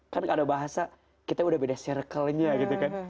kan gak ada bahasa kita udah beda circle nya gitu kan